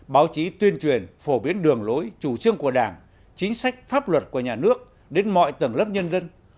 báo chí tuyên truyền phổ biến đường lối chủ trương của đảng chính sách pháp luật của nhà nước đến mọi tầng lớp nhân dân